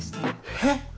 えっ⁉